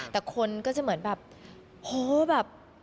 แต่คนก็จะเหมือนแบบโหแบบ